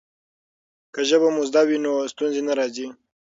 که ژبه مو زده وي نو ستونزې نه راځي.